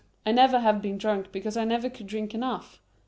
I never have been drunk because I never could drink enough.